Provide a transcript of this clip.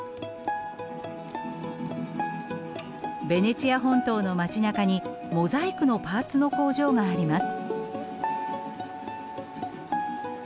ベネチア本島の街なかにモザイクのパーツの工場があります。